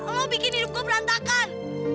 lo bikin hidup gue berantakan